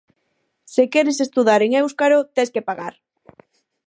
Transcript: Se queres estudar en éuscaro tes que pagar.